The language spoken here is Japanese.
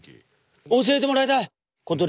教えてもらいたい。